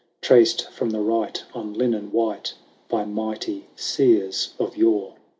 Traced from the right on linen white By mighty seers of yore.